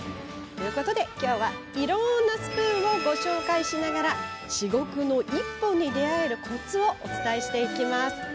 今日は、いろんなスプーンをご紹介しながら至極の１本に出会えるコツをお伝えします。